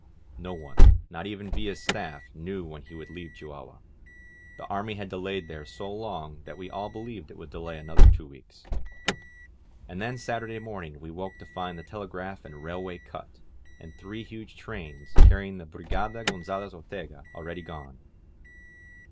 No one, not even Villa's staff, knew when he would leave Chihuahua ; the army had delayed there so long that we all believed it would delay another two weeks. And then Saturday morning we woke to find the telegraph and railway cut, and three huge trains, carrying the Brigada Gonzalez Ortega, already gone.